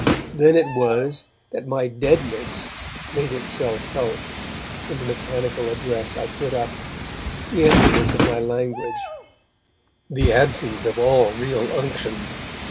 Then it was that my deadness made itself felt, in the mechanical address I put up, the emptiness of my language, the absence of all real unction.